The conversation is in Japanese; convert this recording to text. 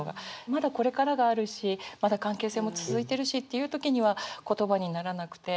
まだこれからがあるしまだ関係性も続いてるしっていう時には言葉にならなくて。